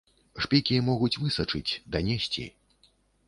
Шпікі могуць высачыць, данесці.